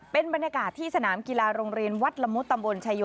เป็นบรรยากาศที่สนามกีฬาโรงเรียนวัดละมุดตำบลชายโย